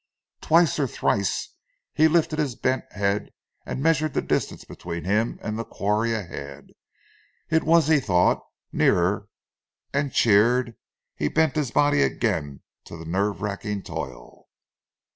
Twice or thrice he lifted his bent head and measured the distance between him and the quarry ahead. It was, he thought nearer, and cheered, he bent his body again to the nerve racking toil.